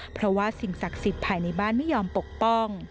เพราะว่าสิ่งศักดิ์สิทธิ์ภายในบ้านไม่ยอมปกป้อง